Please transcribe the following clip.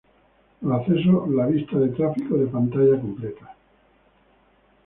Los acceso la vista de tráfico de pantalla completa.